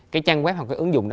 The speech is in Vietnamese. cái trang web hoặc cái ứng dụng đó